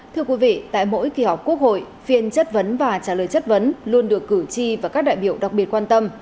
thưa quý vị tại mỗi kỳ họp quốc hội phiên chất vấn và trả lời chất vấn luôn được cử tri và các đại biểu đặc biệt quan tâm